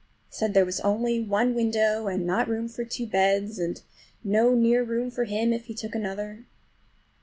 He said there was only one window and not room for two beds, and no near room for him if he took another.